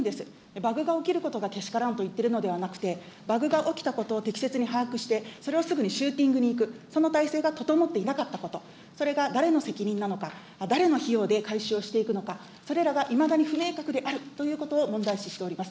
バグが起きることがけしからんと言ってるのではなくて、バグが起きたことを適切に把握して、それをすぐにシューティングにいく、その体制が整っていなかったこと、それが誰の責任なのか、誰の費用で回収をしていくのか、それらがいまだに不明確であるということを問題視しております。